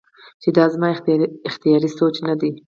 چې دا زما اختياري سوچ نۀ دے